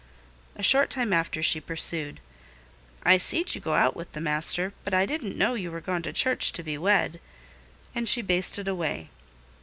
A short time after she pursued—"I seed you go out with the master, but I didn't know you were gone to church to be wed;" and she basted away.